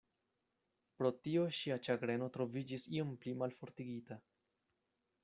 Pro tio ŝia ĉagreno troviĝis iom pli malfortigita.